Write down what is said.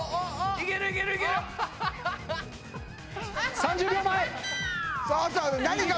３０秒前。